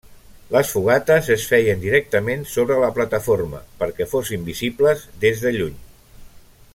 Les fogates es feien directament sobre la plataforma, perquè fossin visibles des de lluny.